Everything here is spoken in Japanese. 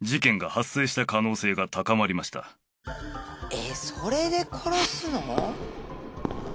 えっそれで殺すの？